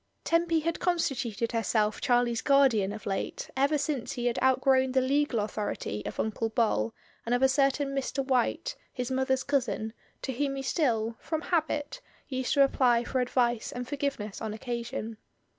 Tempy had constituted herself Charlie's guardian of late ever since he had outgrown the legal authority of Uncle Bol and of a certain Mr. White, his mother's cousin, to whom he still, from habit, used to apply for advice and forgiveness on occasion.